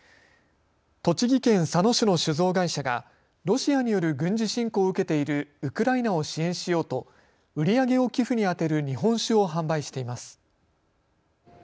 栃木県佐野市の酒造会社がロシアによる軍事侵攻を受けているウクライナを支援しようと売り上げを寄付に充てる日本酒を販売しています。